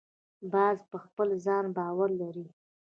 باز پر خپل ځان باور لري